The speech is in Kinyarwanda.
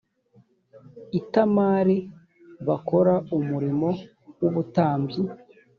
itamari bakora umurimo w ubutambyi